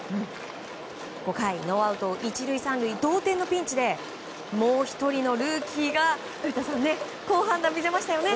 ５回、ノーアウト１塁３塁同点のピンチでもう１人のルーキーが好判断を見せましたよね。